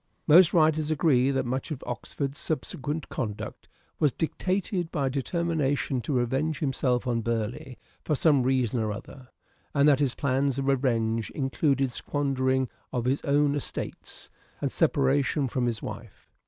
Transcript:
Most writers agree that much of Oxford's sub sequent conduct was dictated by a determination to revenge himself on Burleigh for some reason or other ; and that his plans of revenge included the squandering of his own estates, and separation from his wife.